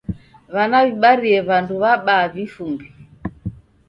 W'ana w'ibarie w'andu w'abaa vifumbi.